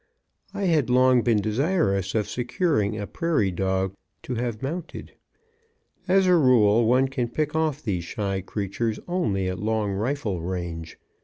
I had long been desirous of securing a prairie dog to have mounted; as a rule one can pick off these shy creatures only at long rifle range.